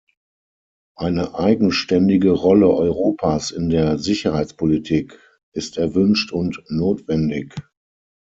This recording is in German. Eine eigenständige Rolle Europas in der Sicherheitspolitik ist erwünscht und notwendig.